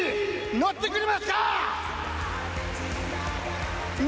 乗ってくれますか。